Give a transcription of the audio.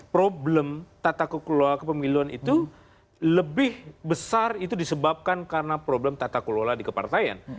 problem tata kelola kepemiluan itu lebih besar itu disebabkan karena problem tata kelola di kepartaian